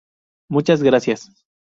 Muchas Gracias.